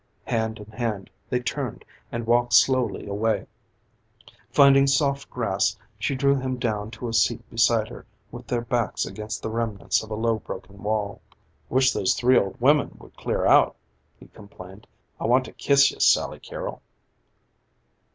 Hand in hand they turned and walked slowly away. Finding soft grass she drew him down to a seat beside her with their backs against the remnants of a low broken wall. "Wish those three old women would clear out," he complained. "I want to kiss you, Sally Carrol."